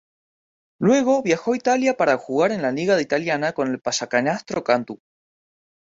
Luego viajó a Italia para jugar en la liga italiana con el Pallacanestro Cantú.